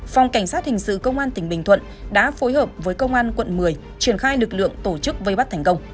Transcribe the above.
phòng cảnh sát hình sự công an tỉnh bình thuận đã phối hợp với công an quận một mươi triển khai lực lượng tổ chức vây bắt thành công